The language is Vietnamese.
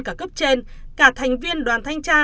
cả cấp trên cả thành viên đoàn thanh tra